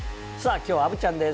今日は虻ちゃんです。